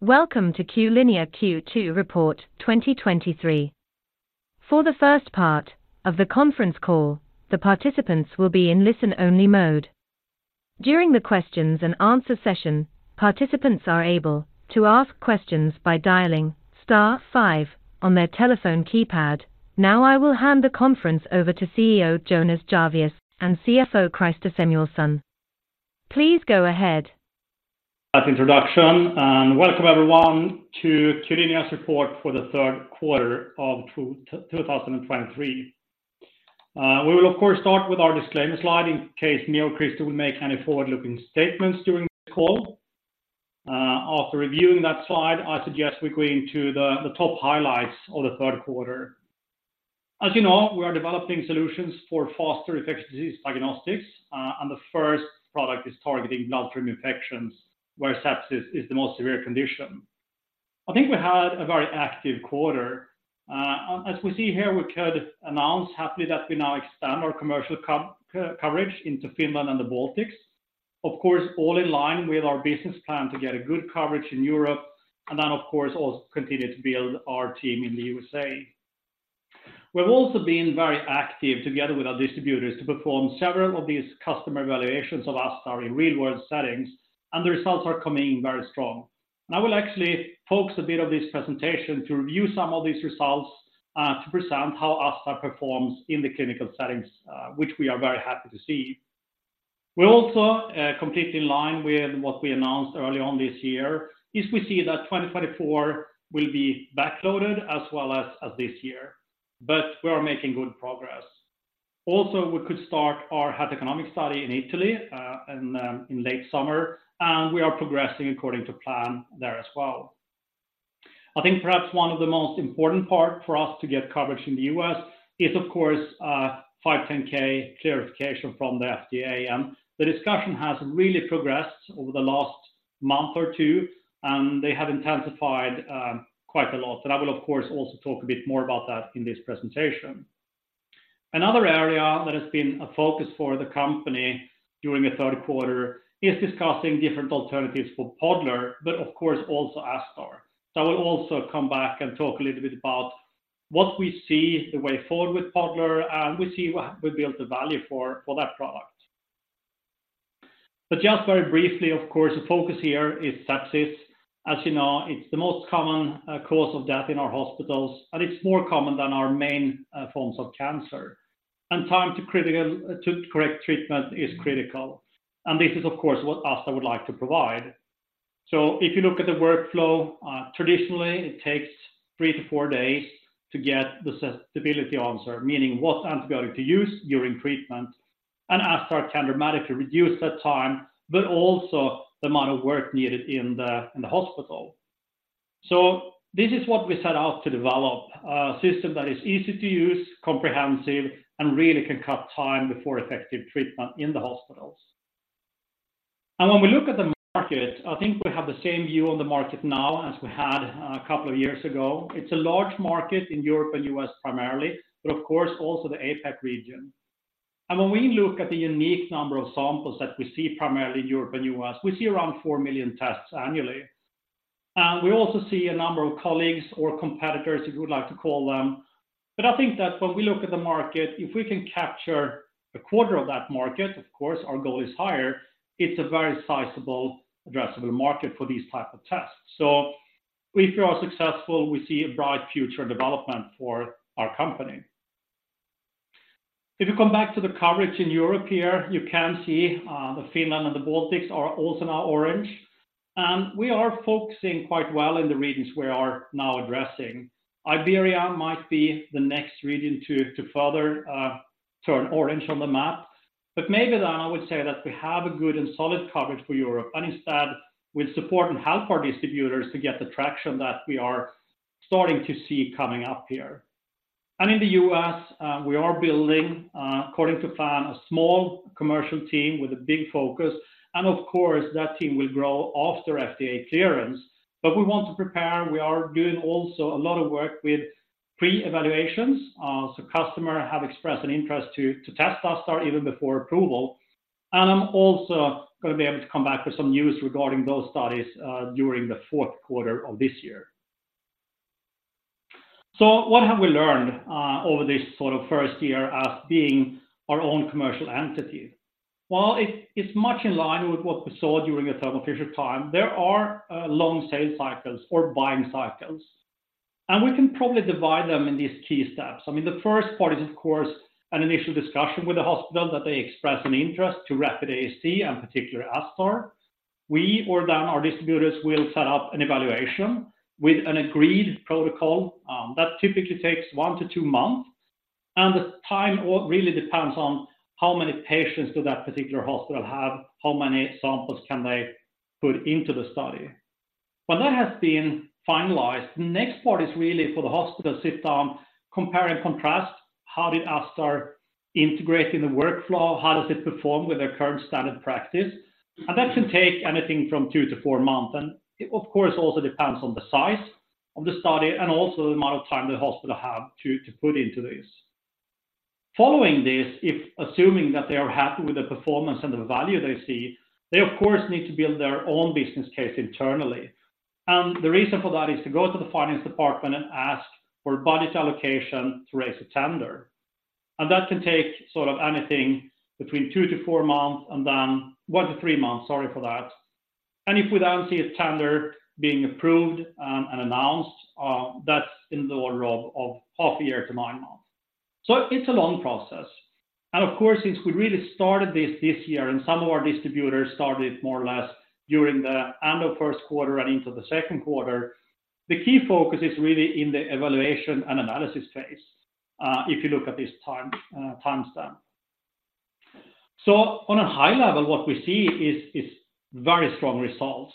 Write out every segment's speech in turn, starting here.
Welcome to Q-linea Q2 Report 2023. For the first part of the conference call, the participants will be in listen-only mode. During the questions and answer session, participants are able to ask questions by dialing star five on their telephone keypad. Now, I will hand the conference over to CEO, Jonas Jarvius, and CFO, Christer Samuelsson. Please go ahead That introduction, and welcome everyone to Q-linea's report for the third quarter of 2023. We will, of course, start with our disclaimer slide in case I or Christer will make any forward-looking statements during the call. After reviewing that slide, I suggest we go into the top highlights of the third quarter. As you know, we are developing solutions for faster infectious disease diagnostics, and the first product is targeting bloodstream infections, where sepsis is the most severe condition. I think we had a very active quarter. As we see here, we could announce happily that we now extend our commercial coverage into Finland and the Baltics. Of course, all in line with our business plan to get a good coverage in Europe, and then, of course, also continue to build our tem in the USA. We've also been very active together with our distributors, to perform several of these customer evaluations of ASTar in real-world settings, and the results are coming in very strong. I will actually focus a bit of this presentation to review some of these results, to present how ASTar performs in the clinical settings, which we are very happy to see. We're also completely in line with what we announced early on this year, is we see that 2024 will be backloaded as well as, as this year, but we are making good progress. Also, we could start our health economic study in Italy, in late summer, and we are progressing according to plan there as well. I think perhaps one of the most important part for us to get coverage in the US is, of course, 510(k) clarification from the FDA, and the discussion has really progressed over the last month or two, and they have intensified, quite a lot. I will, of course, also talk a bit more about that in this presentation. Another area that has been a focus for the company during the third quarter is discussing different alternatives for Podler, but of course, also ASTar. So I will also come back and talk a little bit about what we see the way forward with Podler, and we see what we build the value for, for that product. But just very briefly, of course, the focus here is sepsis. As you know, it's the most common cause of death in our hospitals, and it's more common than our main forms of cancer. And time to critical, to correct treatment is critical, and this is, of course, what ASTar would like to provide. So if you look at the workflow, traditionally, it takes 3-4 days to get the susceptibility answer, meaning what antibiotic to use during treatment, and ASTar can dramatically reduce that time, but also the amount of work needed in the, in the hospital. So this is what we set out to develop, a system that is easy to use, comprehensive, and really can cut time before effective treatment in the hospitals. And when we look at the market, I think we have the same view on the market now as we had a couple of years ago. It's a large market in Europe and U.S. primarily, but of course, also the APAC region. When we look at the unique number of samples that we see primarily in Europe and U.S., we see around 4 million tests annually. We also see a number of colleagues or competitors, if you would like to call them. I think that when we look at the market, if we can capture a quarter of that market, of course, our goal is higher, it's a very sizable addressable market for these type of tests. If we are successful, we see a bright future in development for our company. If you come back to the coverage in Europe here, you can see the Finland and the Baltics are also now orange, and we are focusing quite well in the regions we are now addressing. Iberia might be the next region to further turn orange on the map. But maybe then I would say that we have a good and solid coverage for Europe, and instead, we support and help our distributors to get the traction that we are starting to see coming up here. And in the U.S., we are building, according to plan, a small commercial team with a big focus, and of course, that team will grow after FDA clearance. But we want to prepare. We are doing also a lot of work with pre-evaluations. So customers have expressed an interest to test ASTar even before approval, and I'm also gonna be able to come back with some news regarding those studies during the fourth quarter of this year. So what have we learned over this sort of first year as being our own commercial entity? While it, it's much in line with what we saw during the Thermo Fisher time, there are long sales cycles or buying cycles, and we can probably divide them in these key steps. I mean, the first part is, of course, an initial discussion with the hospital that they express an interest to rapid AST and particular ASTar. We or then our distributors will set up an evaluation with an agreed protocol that typically takes 1-2 months, and the time all really depends on how many patients do that particular hospital have, how many samples can they put into the study. When that has been finalized, the next part is really for the hospital to sit down, compare, and contrast how did ASTar integrate in the workflow, how does it perform with their current standard practice? And that can take anything from 2-4 months, and it, of course, also depends on the size of the study and also the amount of time the hospital have to put into this. Following this, if assuming that they are happy with the performance and the value they see, they of course, need to build their own business case internally. And the reason for that is to go to the finance department and ask for budget allocation to raise a tender. And that can take sort of anything between 2-4 months, and then 1-3 months. Sorry for that. And if we then see a tender being approved and announced, that's in the order of half a year to nine months. So it's a long process, and of course, since we really started this year, and some of our distributors started more or less during the end of first quarter and into the second quarter, the key focus is really in the evaluation and analysis phase, if you look at this time timestamp. So on a high level, what we see is very strong results.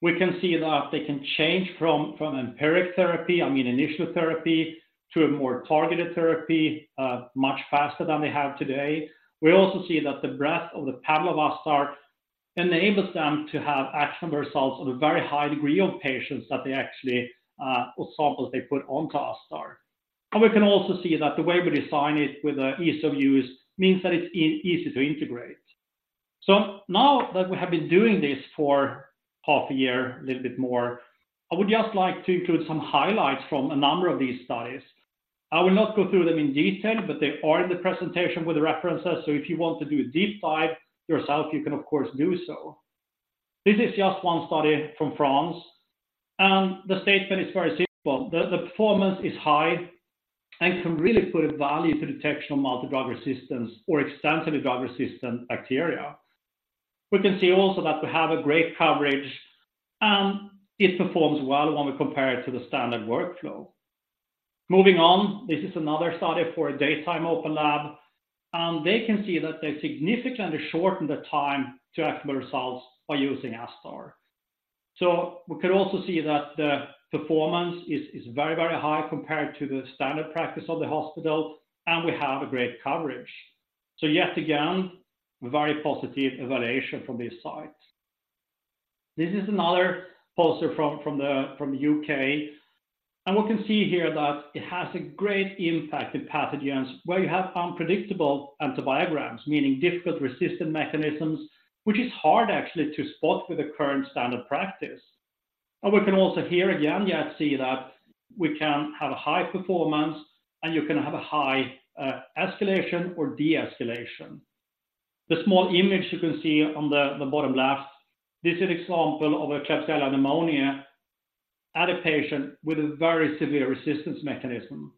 We can see that they can change from empiric therapy, I mean, initial therapy, to a more targeted therapy much faster than they have today. We also see that the breadth of the panel of ASTar enables them to have actionable results on a very high degree of patients, that they actually or samples they put onto ASTar. And we can also see that the way we design it with the ease of use means that it's easy to integrate. So now that we have been doing this for half a year, a little bit more, I would just like to include some highlights from a number of these studies. I will not go through them in detail, but they are in the presentation with the references, so if you want to do a deep dive yourself, you can of course do so. This is just one study from France, and the statement is very simple. The performance is high and can really put a value to detection of multi-drug resistance or extensively drug-resistant bacteria. We can see also that we have a great coverage, and it performs well when we compare it to the standard workflow. Moving on, this is another study for a daytime open lab, and they can see that they significantly shortened the time to actionable results by using ASTar. So we can also see that the performance is very, very high compared to the standard practice of the hospital, and we have a great coverage. So yet again, a very positive evaluation from this site. This is another poster from the UK, and we can see here that it has a great impact in pathogens, where you have unpredictable antibiograms, meaning difficult resistant mechanisms, which is hard actually to spot with the current standard practice. And we can also here again yet see that we can have a high performance, and you can have a high escalation or de-escalation. The small image you can see on the bottom left, this is an example of a Klebsiella pneumoniae at a patient with a very severe resistance mechanism.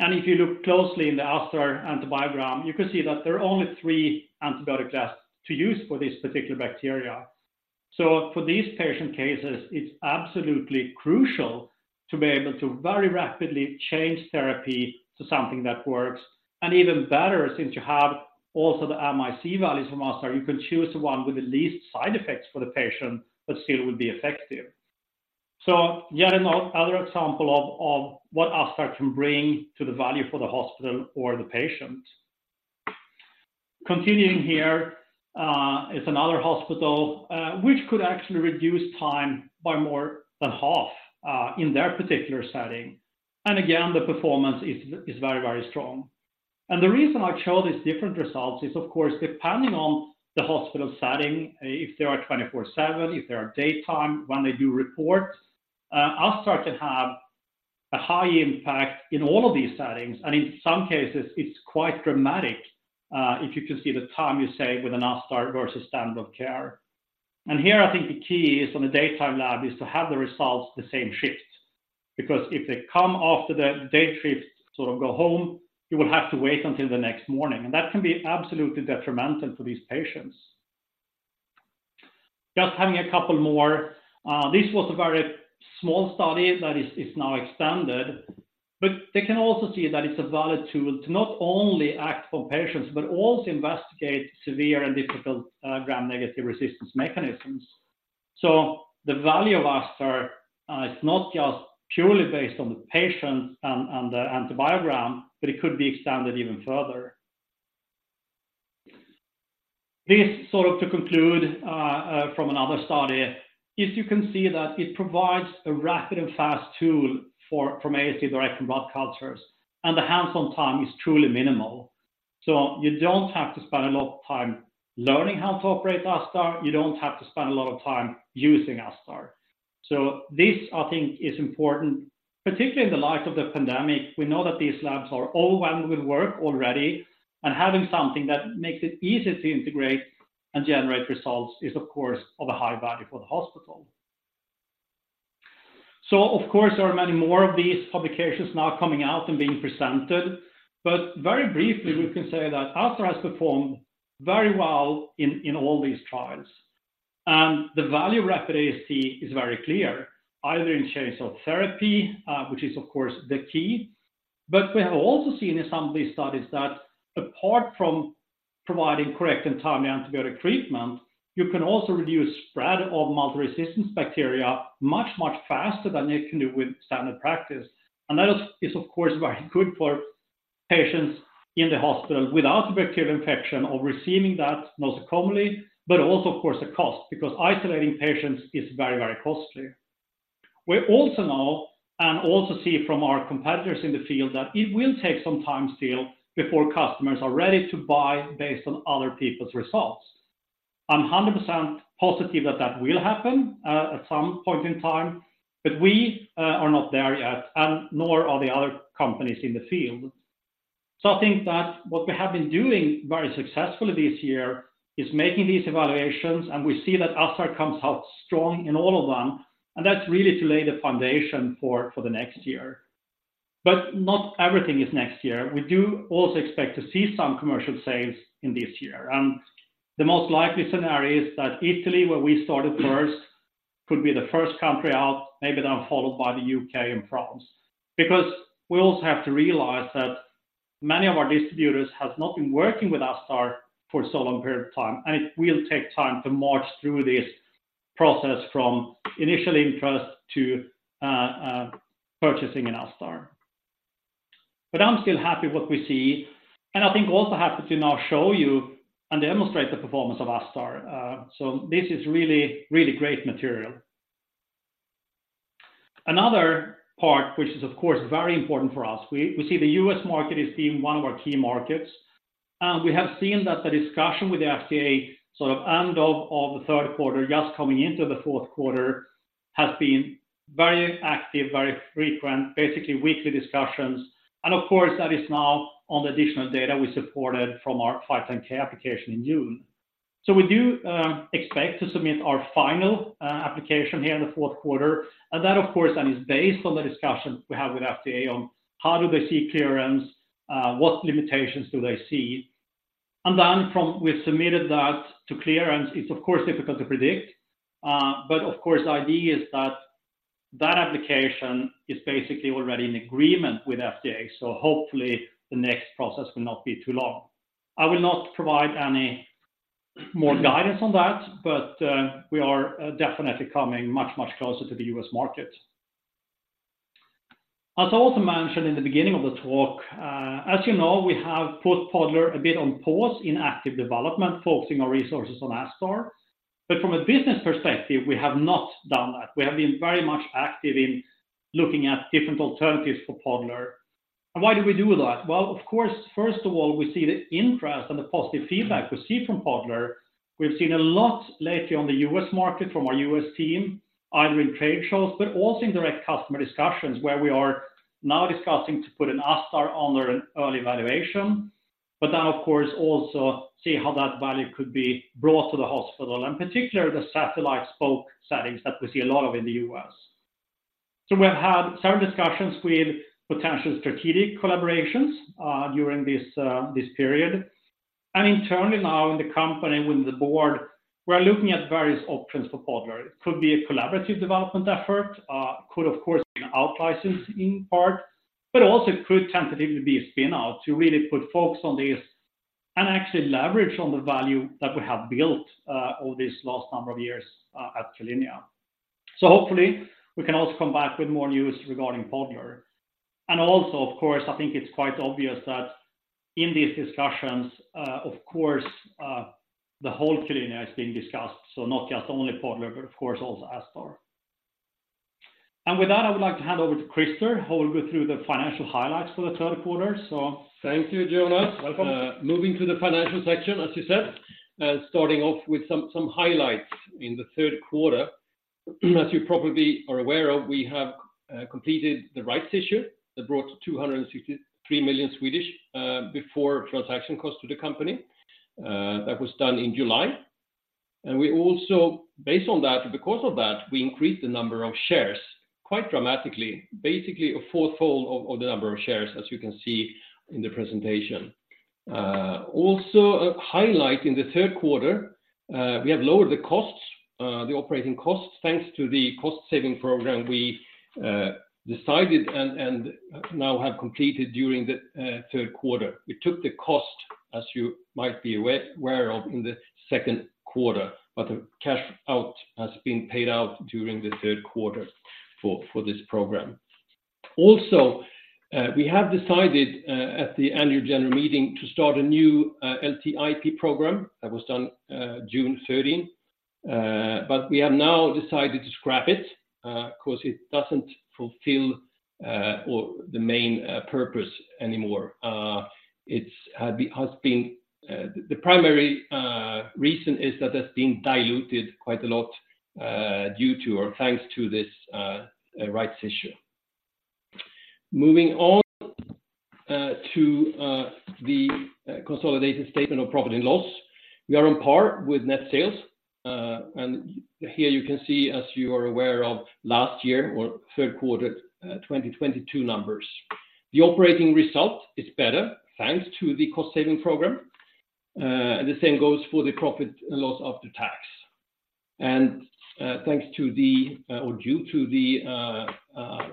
And if you look closely in the ASTar antibiogram, you can see that there are only three antibiotic tests to use for this particular bacteria. So for these patient cases, it's absolutely crucial to be able to very rapidly change therapy to something that works. And even better, since you have also the MIC values from ASTar, you can choose the one with the least side effects for the patient, but still would be effective. So yet another example of what ASTar can bring to the value for the hospital or the patient. Continuing here, is another hospital, which could actually reduce time by more than half, in their particular setting. And again, the performance is very, very strong. And the reason I show these different results is, of course, depending on the hospital setting, if they are 24/7, if they are daytime, when they do reports, ASTar can have a high impact in all of these settings, and in some cases it's quite dramatic, if you can see the time you save with an ASTar versus standard of care. And here I think the key is on a daytime lab, to have the results the same shift. Because if they come after the day shift, sort of go home, you will have to wait until the next morning, and that can be absolutely detrimental to these patients. Just having a couple more. This was a very small study that is now expanded, but they can also see that it's a valid tool to not only act for patients, but also investigate severe and difficult Gram-negative resistance mechanisms. So the value of ASTar is not just purely based on the patient and the antibiogram, but it could be expanded even further. This, sort of, to conclude from another study, you can see that it provides a rapid and fast tool for AST direct from blood cultures, and the hands-on time is truly minimal. So you don't have to spend a lot of time learning how to operate ASTar. You don't have to spend a lot of time using ASTar. So this, I think, is important, particularly in the light of the pandemic. We know that these labs are overwhelmed with work already, and having something that makes it easy to integrate and generate results is, of course, of a high value for the hospital. So of course, there are many more of these publications now coming out and being presented, but very briefly, we can say that ASTar has performed very well in all these trials. And the value of rapid AST is very clear, either in change of therapy, which is of course the key. But we have also seen in some of these studies that apart from providing correct and timely antibiotic treatment, you can also reduce spread of multi-resistant bacteria much, much faster than you can do with standard practice. That is, of course, very good for patients in the hospital with antibiotic infection or receiving that most commonly, but also, of course, the cost, because isolating patients is very, very costly. We also know, and also see from our competitors in the field, that it will take some time still before customers are ready to buy based on other people's results. I'm 100% positive that that will happen at some point in time, but we are not there yet, and nor are the other companies in the field. So I think that what we have been doing very successfully this year is making these evaluations, and we see that ASTar comes out strong in all of them, and that's really to lay the foundation for the next year. But not everything is next year. We do also expect to see some commercial sales in this year, and the most likely scenario is that Italy, where we started first, could be the first country out, maybe then followed by the UK and France. Because we also have to realize that many of our distributors have not been working with ASTar for so long period of time, and it will take time to march through this process from initial interest to purchasing an ASTar. But I'm still happy what we see, and I think also happy to now show you and demonstrate the performance of ASTar. So this is really, really great material. Another part, which is, of course, very important for us, we, we see the US market as being one of our key markets. And we have seen that the discussion with the FDA, sort of end of, of the third quarter, just coming into the fourth quarter, has been very active, very frequent, basically weekly discussions. And of course, that is now on the additional data we supported from our 510(k) application in June. So we do, expect to submit our final, application here in the fourth quarter. And that, of course, and is based on the discussions we have with FDA on how do they see clearance, what limitations do they see. And then from we've submitted that to clearance, it's of course, difficult to predict. But of course, the idea is that that application is basically already in agreement with FDA, so hopefully, the next process will not be too long. I will not provide any more guidance on that, but, we are definitely coming much, much closer to the U.S. market. As I also mentioned in the beginning of the talk, as you know, we have put Podler a bit on pause in active development, focusing our resources on ASTar. But from a business perspective, we have not done that. We have been very much active in looking at different alternatives for Podler. And why do we do that? Well, of course, first of all, we see the interest and the positive feedback we see from Podler. We've seen a lot lately on the US market from our US team, either in trade shows but also in direct customer discussions, where we are now discussing to put an ASTar on their early evaluation, but then of course, also see how that value could be brought to the hospital, and particularly, the satellite spoke settings that we see a lot of in the US. So we have had several discussions with potential strategic collaborations during this period. And internally now in the company, with the board, we are looking at various options for Podler. It could be a collaborative development effort, could, of course, be an out license in part, but also could tentatively be a spin out to really put focus on this and actually leverage on the value that we have built over this last number of years at Q-linea. So hopefully, we can also come back with more news regarding Podler. And also, of course, I think it's quite obvious that in these discussions, of course, the whole Q-linea is being discussed, so not just only Podler, but of course, also ASTar. And with that, I would like to hand over to Christer, who will go through the financial highlights for the third quarter. So- Thank you, Jonas. Welcome. Moving to the financial section, as you said, starting off with some highlights in the third quarter. As you probably are aware of, we have completed the rights issue that brought 263 million before transaction cost to the company. That was done in July. We also, based on that, and because of that, we increased the number of shares quite dramatically, basically a fourfold of the number of shares, as you can see in the presentation. Also a highlight in the third quarter, we have lowered the costs, the operating costs, thanks to the cost-saving program we decided and now have completed during the third quarter. We took the cost, as you might be aware of in the second quarter, but the cash out has been paid out during the third quarter for this program. Also, we have decided at the annual general meeting to start a new LTIP program. That was done June 13. But we have now decided to scrap it because it doesn't fulfill or the main purpose anymore. It has been the primary reason is that it's been diluted quite a lot due to or thanks to this rights issue. Moving on to the consolidated statement of profit and loss. We are on par with net sales. And here you can see, as you are aware of last year or third quarter 2022 numbers. The operating result is better, thanks to the cost-saving program. The same goes for the profit and loss of the tax. Thanks to the, or due to the,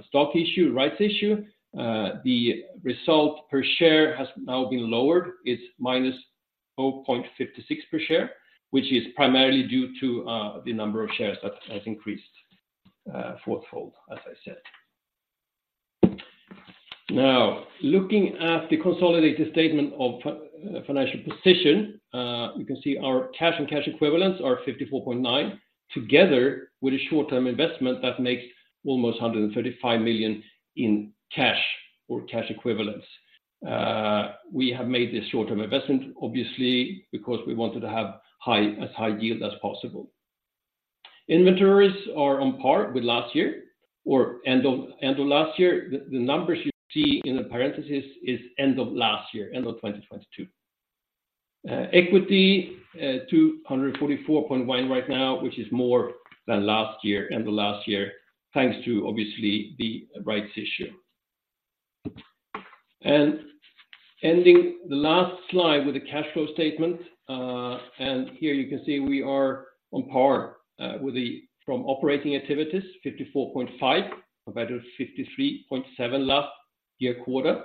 stock issue, rights issue, the result per share has now been lowered. It's minus 0.56 per share, which is primarily due to the number of shares that has increased fourfold, as I said. Now, looking at the consolidated statement of financial position, you can see our cash and cash equivalents are 54.9 million, together with a short-term investment that makes almost 135 million in cash or cash equivalents. We have made this short-term investment, obviously, because we wanted to have as high yield as possible. Inventories are on par with last year or end of last year. The numbers you see in the parentheses are end of last year, end of 2022. Equity 244.1 right now, which is more than last year, end of last year, thanks to obviously the rights issue. Ending the last slide with a cash flow statement. And here you can see we are on par with the from operating activities, 54.5, compared to 53.7 last year quarter.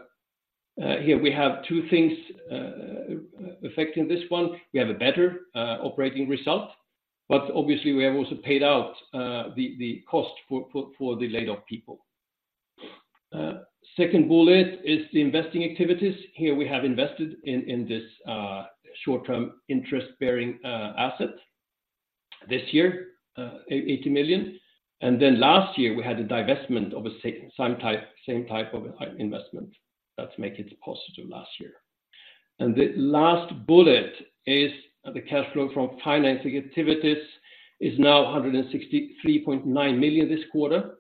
Here we have two things affecting this one. We have a better operating result, but obviously, we have also paid out the cost for the laid off people. Second bullet is the investing activities. Here, we have invested in this short-term interest-bearing asset this year, 80 million. Then last year, we had a divestment of a same type of investment that make it positive last year. The last bullet is the cash flow from financing activities is now 163.9 million this quarter,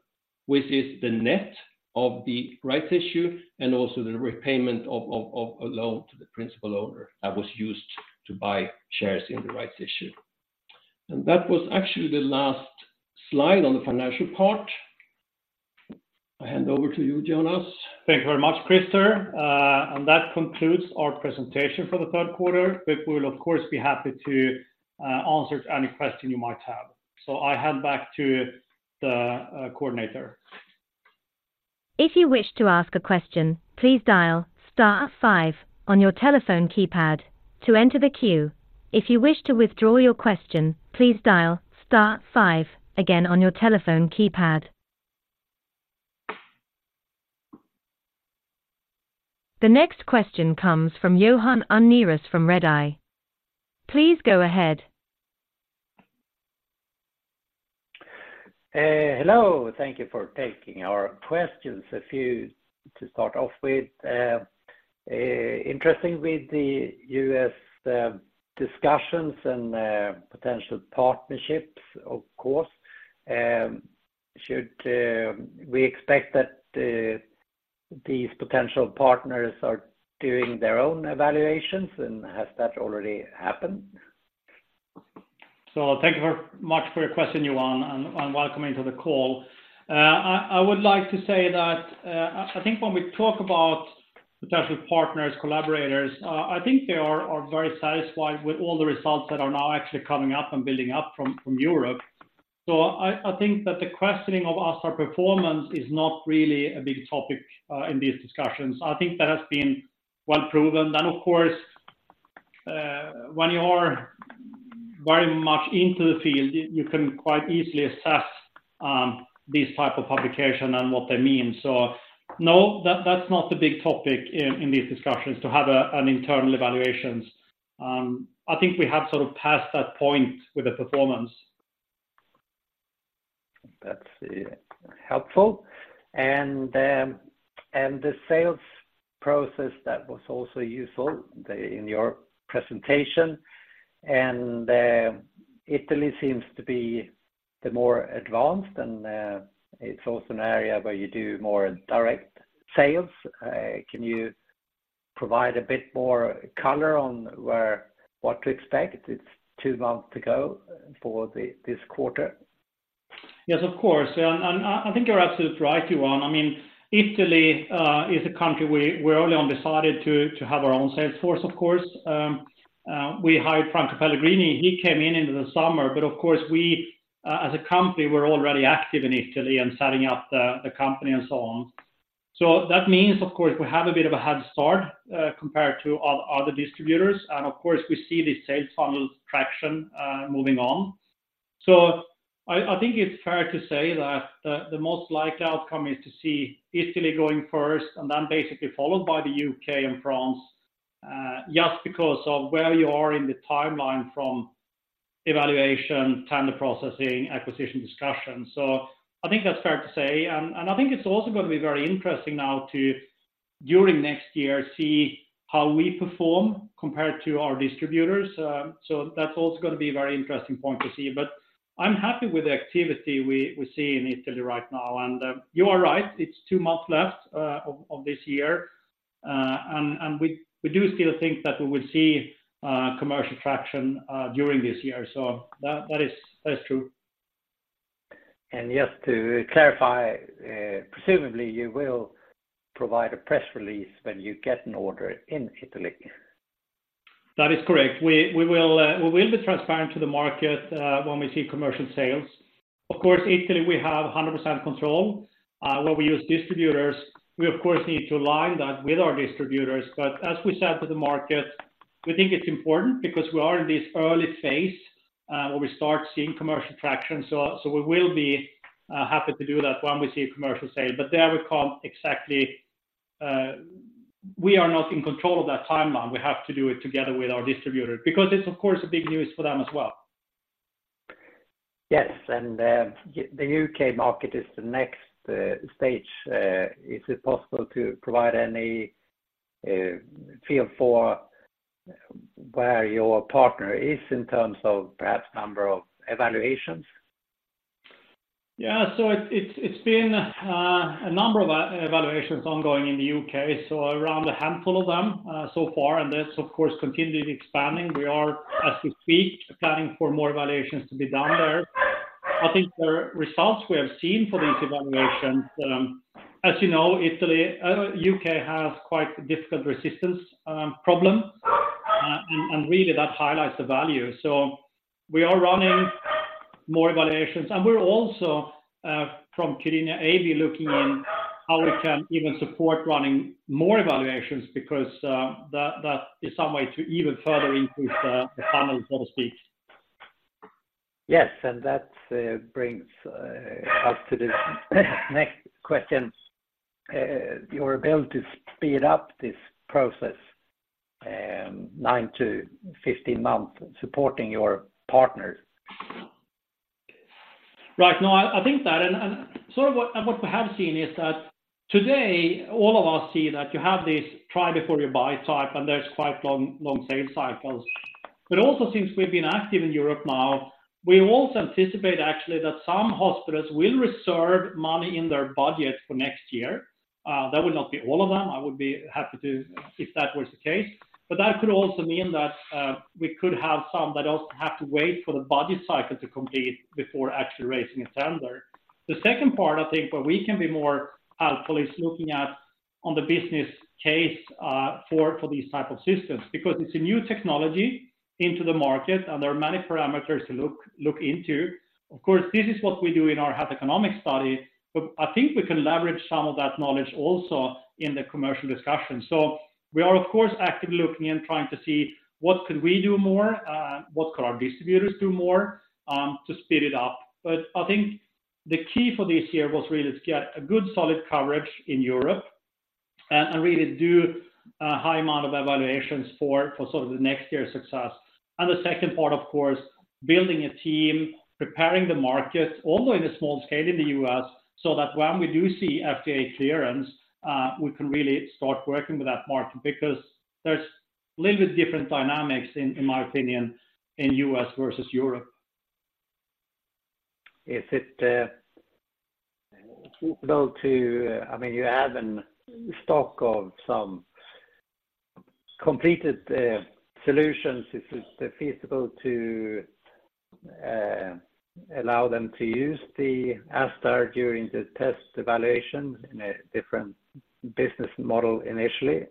which is the net of the rights issue, and also the repayment of a loan to the principal owner that was used to buy shares in the rights issue. That was actually the last slide on the financial part. I hand over to you, Jonas. Thank you very much, Christer. That concludes our presentation for the third quarter. We will, of course, be happy to answer any question you might have. I hand back to the coordinator. If you wish to ask a question, please dial star five on your telephone keypad to enter the queue. If you wish to withdraw your question, please dial star five again on your telephone keypad. The next question comes from Johan Unnérus from Redeye. Please go ahead. Hello, thank you for taking our questions. A few to start off with, interesting with the U.S. discussions and potential partnerships, of course. Should we expect that these potential partners are doing their own evaluations, and has that already happened? So thank you very much for your question, Johan, and welcome into the call. I would like to say that I think when we talk about potential partners, collaborators, I think they are very satisfied with all the results that are now actually coming up and building up from Europe. So I think that the questioning of our ASTar performance is not really a big topic in these discussions. I think that has been well proven. Then, of course, when you are very much into the field, you can quite easily assess these type of publication and what they mean. So no, that's not the big topic in these discussions to have an internal evaluations. I think we have sort of passed that point with the performance. That's helpful. And the sales process, that was also useful in your presentation. And Italy seems to be the more advanced, and it's also an area where you do more direct sales. Can you provide a bit more color on where, what to expect? It's two months to go for this quarter. Yes, of course. And I think you're absolutely right, Johan. I mean, Italy is a country we early on decided to have our own sales force, of course. We hired Franco Pellegrini. He came in in the summer, but of course, we as a company, we're already active in Italy and setting up the company and so on. So that means, of course, we have a bit of a head start compared to other distributors, and of course, we see the sales funnel traction moving on. So I think it's fair to say that the most likely outcome is to see Italy going first and then basically followed by the UK and France just because of where you are in the timeline from evaluation, tender processing, acquisition discussions. So I think that's fair to say. I think it's also going to be very interesting now to during next year see how we perform compared to our distributors. So that's also going to be a very interesting point to see. But I'm happy with the activity we see in Italy right now. You are right, it's two months left of this year. And we do still think that we will see commercial traction during this year. So that is true. Just to clarify, presumably, you will provide a press release when you get an order in Italy? That is correct. We will be transparent to the market when we see commercial sales. Of course, Italy, we have 100% control. Where we use distributors, we, of course, need to align that with our distributors. But as we said to the market, we think it's important because we are in this early phase when we start seeing commercial traction. So we will be happy to do that when we see a commercial sale, but there we can't exactly, we are not in control of that timeline. We have to do it together with our distributor, because it's, of course, a big news for them as well. Yes, and, the UK market is the next, stage. Is it possible to provide any feel for where your partner is in terms of perhaps number of evaluations? Yeah. So it's been a number of evaluations ongoing in the UK, so around a handful of them so far, and that's of course continually expanding. We are, as we speak, planning for more evaluations to be done there. I think the results we have seen for these evaluations, as you know, Italy, UK has quite difficult resistance problem. And really that highlights the value. So we are running more evaluations, and we're also from Q-linea AB looking in how we can even support running more evaluations because that is some way to even further increase the funnel, so to speak. Yes, and that brings us to the next question. Your ability to speed up this process, 9-15 months, supporting your partners. Right. No, I think that and sort of what we have seen is that today, all of us see that you have this try before you buy type, and there's quite long sales cycles. But also, since we've been active in Europe now, we also anticipate actually that some hospitals will reserve money in their budget for next year. That would not be all of them. I would be happy to, if that was the case. But that could also mean that we could have some that also have to wait for the budget cycle to complete before actually raising a tender. The second part, I think, where we can be more helpful, is looking at the business case for these type of systems, because it's a new technology into the market and there are many parameters to look into. Of course, this is what we do in our health economic study, but I think we can leverage some of that knowledge also in the commercial discussion. So we are, of course, actively looking and trying to see what could we do more, what could our distributors do more, to speed it up. But I think the key for this year was really to get a good, solid coverage in Europe, and really do a high amount of evaluations for sort of the next year's success. The second part, of course, building a team, preparing the market, although in a small scale in the U.S., so that when we do see FDA clearance, we can really start working with that market, because there's a little bit different dynamics, in my opinion, in U.S. versus Europe. Is it possible to... I mean, you have in stock of some completed solutions, is it feasible to allow them to use the ASTar during the test evaluation in a different business model initially?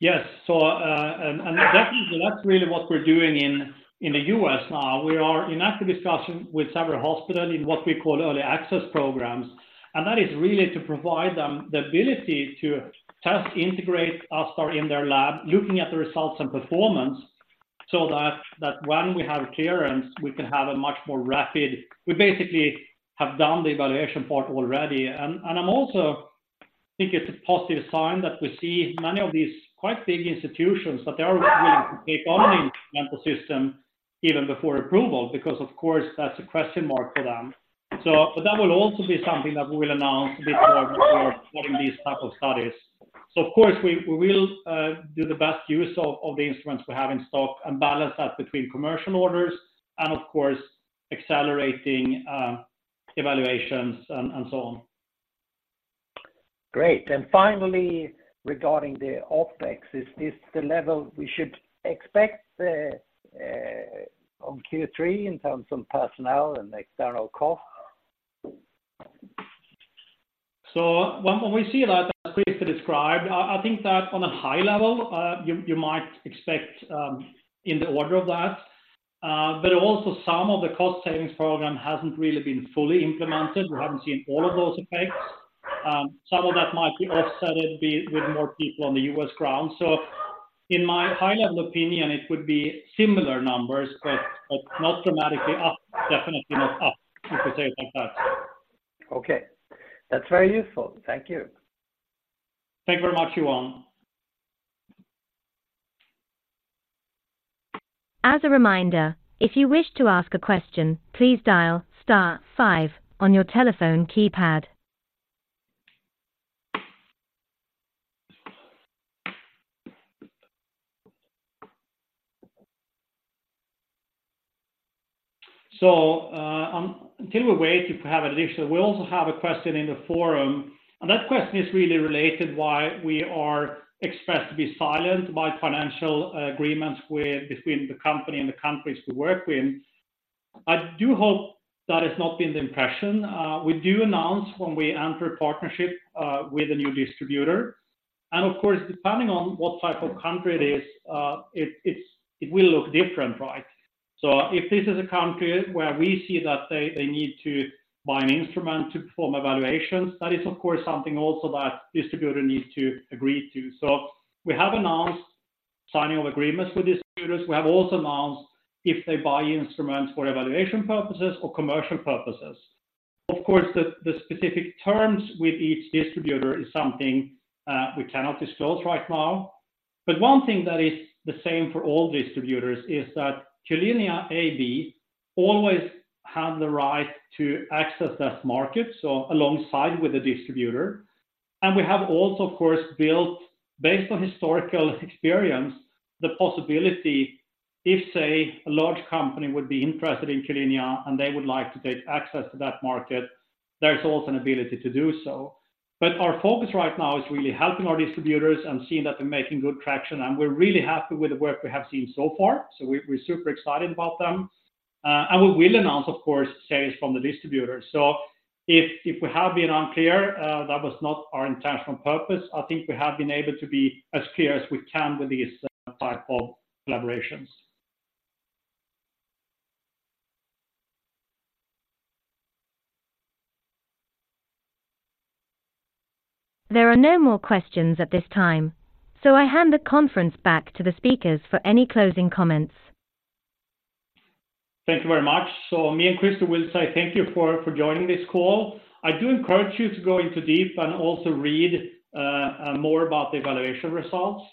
Yes. So, and definitely, that's really what we're doing in the U.S. now. We are in active discussion with several hospitals in what we call early access programs, and that is really to provide them the ability to test, integrate ASTar in their lab, looking at the results and performance, so that when we have clearance, we can have a much more rapid—we basically have done the evaluation part already. And I also think it's a positive sign that we see many of these quite big institutions, that they are willing to take on the ASTar system even before approval, because of course, that's a question mark for them. So but that will also be something that we will announce before putting these types of studies. Of course, we will do the best use of the instruments we have in stock and balance that between commercial orders and of course, accelerating evaluations and so on. Great. And finally, regarding the OpEx, is this the level we should expect on Q3 in terms of personnel and external cost? So when we see that as previously described, I think that on a high level, you might expect, in the order of that. But also some of the cost savings program hasn't really been fully implemented. We haven't seen all of those effects. Some of that might be offset with more people on the U.S. ground. So in my high-level opinion, it would be similar numbers, but not dramatically up, definitely not up, to say it like that. Okay. That's very useful. Thank you. Thank you very much, Johan. As a reminder, if you wish to ask a question, please dial star five on your telephone keypad. So, if you have additional, we also have a question in the forum, and that question is really related to why we are expected to be silent by financial agreements between the company and the countries we work with. I do hope that has not been the impression. We do announce when we enter a partnership with a new distributor, and of course, depending on what type of country it is, it will look different, right? So if this is a country where we see that they need to buy an instrument to perform evaluations, that is, of course, something also that distributor needs to agree to. So we have announced signing of agreements with distributors. We have also announced if they buy instruments for evaluation purposes or commercial purposes. Of course, the specific terms with each distributor is something we cannot disclose right now. But one thing that is the same for all distributors is that Q-linea AB always have the right to access that market, so alongside with the distributor. And we have also, of course, built, based on historical experience, the possibility if, say, a large company would be interested in Q-linea and they would like to get access to that market, there's also an ability to do so. But our focus right now is really helping our distributors and seeing that they're making good traction, and we're really happy with the work we have seen so far. So we're super excited about them. And we will announce, of course, sales from the distributor. So if we have been unclear, that was not our intentional purpose. I think we have been able to be as clear as we can with these type of collaborations. There are no more questions at this time, so I hand the conference back to the speakers for any closing comments. Thank you very much. So me and Christer will say thank you for joining this call. I do encourage you to go into deep and also read more about the evaluation results.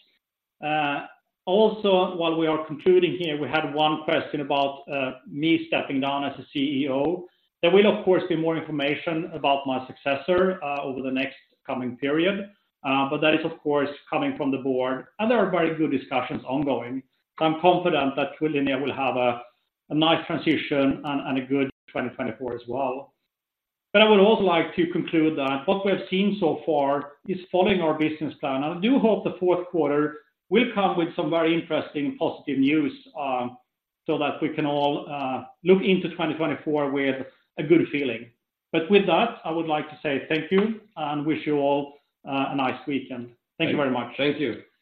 Also, while we are concluding here, we had one question about me stepping down as CEO. There will, of course, be more information about my successor over the next coming period, but that is, of course, coming from the board, and there are very good discussions ongoing. I'm confident that Q-linea will have a nice transition and a good 2024 as well. But I would also like to conclude that what we have seen so far is following our business plan. I do hope the fourth quarter will come with some very interesting positive news, so that we can all look into 2024 with a good feeling. But with that, I would like to say thank you and wish you all a nice weekend. Thank you very much. Thank you.